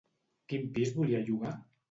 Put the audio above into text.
Quin pis volia llogar?